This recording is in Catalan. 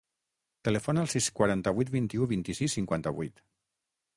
Telefona al sis, quaranta-vuit, vint-i-u, vint-i-sis, cinquanta-vuit.